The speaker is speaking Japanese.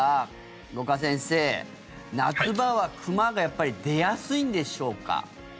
五箇先生、夏場は熊がやっぱり出やすいんでしょうか？